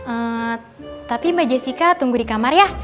eh tapi mbak jessica tunggu di kamar ya